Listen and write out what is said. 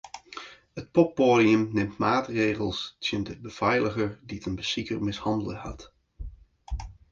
It poppoadium nimt maatregels tsjin de befeiliger dy't in besiker mishannele hat.